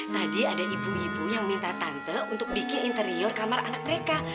tadi ada ibu ibu yang minta tante untuk bikin interior kamar anak mereka